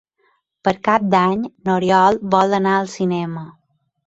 Per Cap d'Any n'Oriol vol anar al cinema.